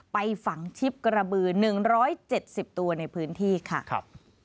ไปฝังชิบกระบือ๑๗๐ตัวในพื้นที่ค่ะ